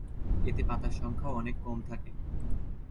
এতে পাতার সংখ্যাও অনেক কম থাকে।